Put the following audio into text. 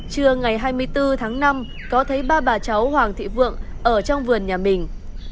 trưa ngày hai mươi bốn tháng năm có thấy ba bà cháu hoàng thị vượng ở trong vườn nhà mình